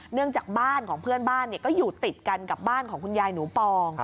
เนื่องจากบ้านของเพื่อนบ้านก็อยู่ติดกันกับบ้านของคุณยายหนูปอง